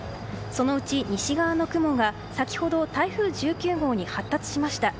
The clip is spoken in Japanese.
そのうち西側の雲が先ほど台風１９号に発達しました。